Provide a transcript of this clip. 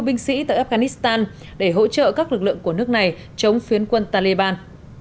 binh sĩ tại afghanistan để hỗ trợ các lực lượng của nước này chống phiến quân taliban